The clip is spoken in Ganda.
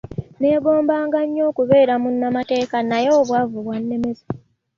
Nneegombanga nnyo okubeera munnamateeka naye obwavu bwannemesa.